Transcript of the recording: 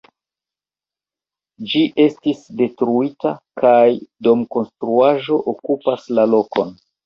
Ĝi estis detruita kaj domkonstruaĵo okupas la lokon.